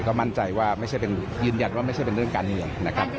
ก็มั่นใจว่ายืนยันว่าไม่ใช่เป็นเรื่องการเมือง